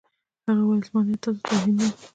هغه وویل چې زما نیت تاسو ته توهین نه و